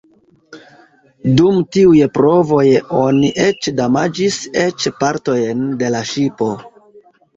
Dum tiuj provoj oni eĉ damaĝis eĉ partojn de la ŝipo.